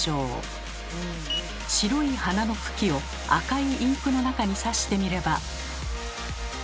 白い花の茎を赤いインクの中に挿してみれば。